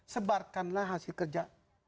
sebarkanlah hasil kerja